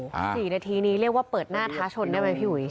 โอ้โหสี่นาทีนี้เรียกว่าเปิดหน้าทาชนได้ไหมพี่หวี